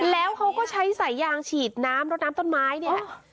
แล้วเขาก็ใช้สายยางฉีดน้ำรถน้ำต้นไม้เนี่ย